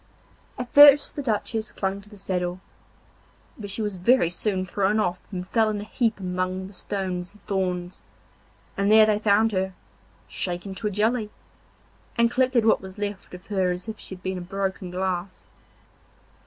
At first the Duchess clung to the saddle, but she was very soon thrown off and fell in a heap among the stones and thorns, and there they found her, shaken to a jelly, and collected what was left of her as if she had been a broken glass.